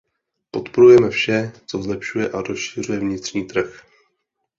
Podporujeme vše, co zlepšuje a rozšiřuje vnitřní trh.